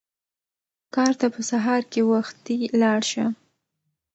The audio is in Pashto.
کار ته په سهار کې وختي لاړ شه.